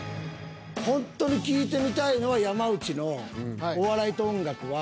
ほんとに聞いてみたいのは山内のお笑いと音楽は。